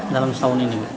dalam setahun ini